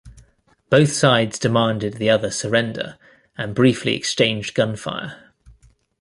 Both sides demanded the other surrender, and briefly exchanged gunfire.